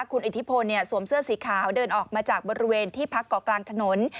คุณอิทธิพลสวมเสื้อสีขาวเดินออกมาจากบริเวณที่พักเกาะกลางถนน